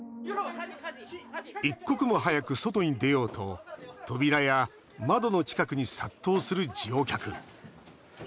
一刻も早く外に出ようと扉や窓の近くに殺到する乗客。